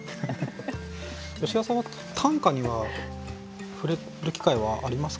ヨシダさんは短歌には触れる機会はありますか？